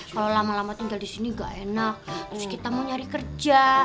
kalau lama lama tinggal di sini gak enak terus kita mau nyari kerja